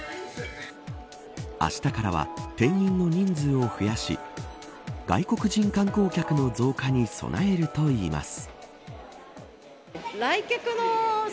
あしたからは店員の人数を増やし外国人観光客の増加に備えるといいます。